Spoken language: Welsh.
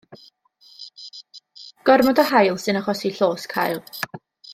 Gormod o haul sy'n achosi llosg haul.